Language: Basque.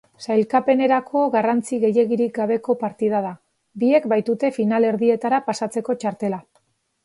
Sailkapenerako garrantzi gehiegirik gabeko partida da, biek baitute finalerdietara pasatzeko txartela.